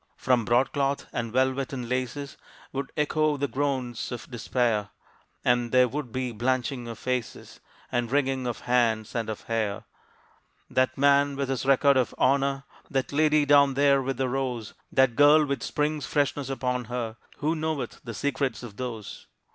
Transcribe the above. From broadcloth, and velvet, and laces, Would echo the groans of despair, And there would be blanching of faces And wringing of hands and of hair. That man with his record of honor, That lady down there with the rose, That girl with Spring's freshness upon her, Who knoweth the secrets of those?